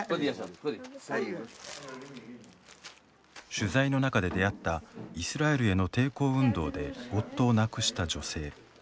取材の中で出会ったイスラエルへの抵抗運動で夫を亡くした女性。